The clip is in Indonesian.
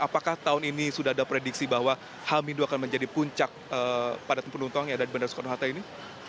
apakah tahun ini sudah ada prediksi bahwa h dua akan menjadi puncak padat penumpang yang ada di bandara soekarno hatta ini